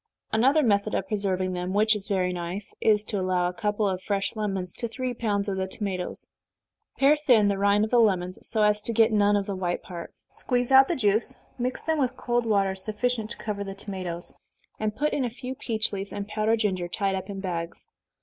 Another method of preserving them, which is very nice, is to allow a couple of fresh lemons to three pounds of the tomatoes pare thin the rind of the lemons, so as to get none of the white part, squeeze out the juice, mix them with cold water sufficient to cover the tomatoes, and put in a few peach leaves, and powdered ginger, tied up in bags.